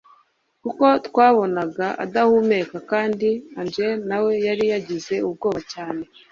kuko twabonaga adahumeka kandi angel nawe yari yagize ubwoba cyane